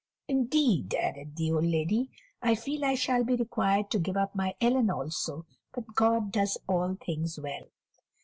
"Indeed," added the old lady, "I feel that I shall be required to give up my Ellen also; but God does all things well."